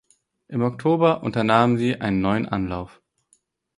Im Oktober unternahmen sie einen neuen Anlauf.